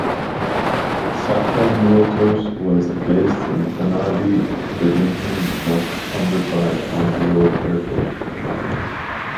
Satra Motors was based in Carnaby, Bridlington, North Humberside on the old airfield.